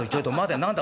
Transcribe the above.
何だ？